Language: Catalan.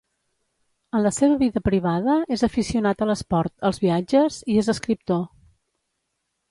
En la seva vida privada, és aficionat a l'esport, als viatges i és escriptor.